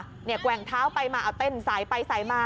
แกว่งเท้าไปมาเอาเต้นสายไปสายมา